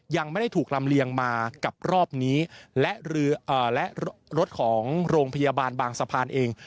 ยังไม่ได้ถูกลำเลียงมากับรอบนี้และเรือและรถของโรงพยาบาลบางสะพานเอง